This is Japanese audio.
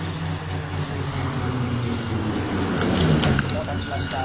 お待たせしました。